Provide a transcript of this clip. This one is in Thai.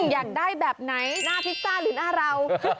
อยากได้แบบไหนหน้าพิซซ่าหรือหน้าเรา